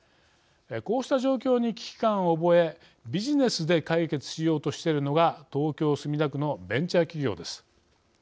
こうした状況に危機感を覚えビジネスで解決しようとしているのが東京・墨田区のベンチャー企業です。